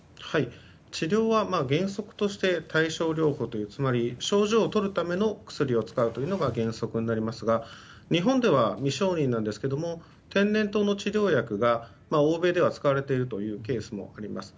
治療は原則として対症療法つまり症状をとるための薬を使うというのが原則になりますが日本では未承認なんですが天然痘の治療薬が欧米では使われているというケースもあります。